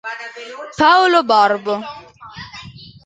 Paolo Barbo